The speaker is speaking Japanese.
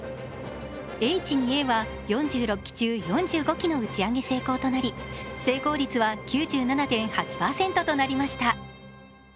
Ｈ２Ａは４６機中４５機の打ち上げ成功となり、成功率は９７．８％となりました。